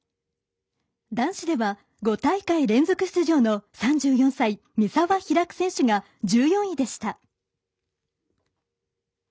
男子では５大会連続出場の３４歳三澤拓選手が１４位でした。